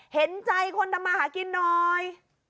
เห็นใจคนทำมาหากินหน่อย